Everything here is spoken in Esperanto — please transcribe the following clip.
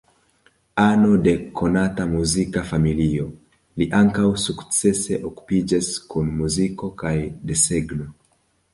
Ano de konata muzika familio, li ankaŭ sukcese okupiĝas kun muziko kaj desegno.